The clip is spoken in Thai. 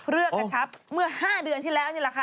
กระชับเมื่อ๕เดือนที่แล้วนี่แหละค่ะ